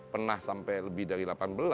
pernah sampai lebih dari delapan belas